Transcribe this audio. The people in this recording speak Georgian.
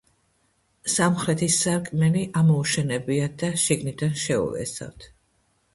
სამხრეთის სარკმელი ამოუშენებიათ და შიგნიდან შეულესავთ.